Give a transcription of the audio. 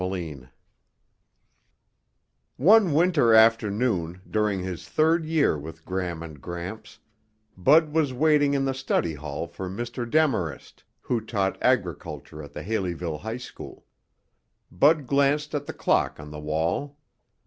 chapter 9 One winter afternoon during his third year with Gram and Gramps, Bud was waiting in the study hall for Mr. Demarest, who taught agriculture at the Haleyville High School. Bud glanced at the clock on the wall.